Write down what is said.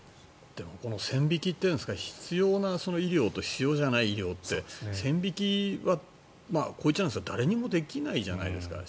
でも線引きっていうんですか必要な医療と必要じゃない医療って線引きはこういっちゃなんですが誰にもできないですよね。